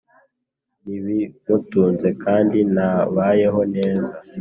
ntibimutunze kandi ntabayeho neza